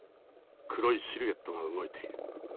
黒いシルエットが動いている。